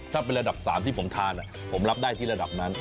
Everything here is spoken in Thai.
ถ้าเป็นระดับ๓ที่ผมทานผมรับได้ที่ระดับนั้น